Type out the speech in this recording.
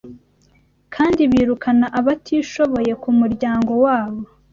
kandi birukana abatishoboye ku muryango wabo